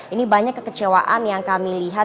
ini banyak kekecewaan yang kami lihat